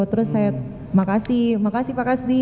terus saya makasih makasih pak kasdi